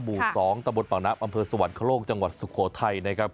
หมู่๒ตะบนปากน้ำอำเภอสวรรคโลกจังหวัดสุโขทัยนะครับ